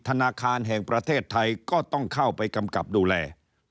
ธนาคารแห่งประเทศไทยก็ต้องเข้าไปกำกับดูแล